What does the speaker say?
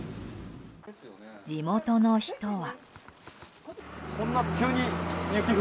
地元の人は。